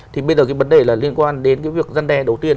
thì bây giờ cái vấn đề là liên quan đến cái việc gian đe đầu tiên